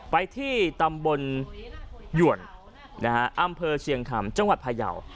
ไปที่ตำบลหยวนอำเภอเชียงคำจังหวัดพยาว